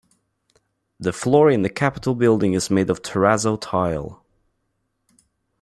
The floor in the capitol building is made of terrazzo tile.